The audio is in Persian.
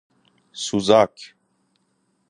سوزاک